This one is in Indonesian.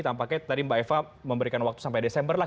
tampaknya tadi mbak eva memberikan waktu sampai desember lah